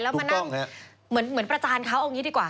แล้วมานั่งเหมือนประจานเขาเอางี้ดีกว่า